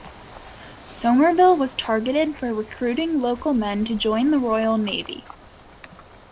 Somerville was targeted for recruiting local men to join the Royal Navy.